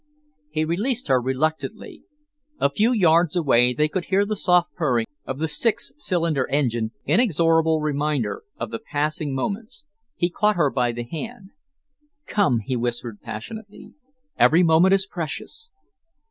He released her reluctantly. A few yards away, they could hear the soft purring of the six cylinder engine, inexorable reminder of the passing moments. He caught her by the hand. "Come," he whispered passionately. "Every moment is precious."